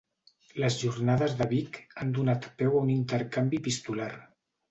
Les jornades de Vic han donat peu a un intercanvi epistolar.